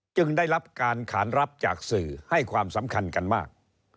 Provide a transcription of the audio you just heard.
ได้รับการขานรับจากสื่อให้ความสำคัญกันมาก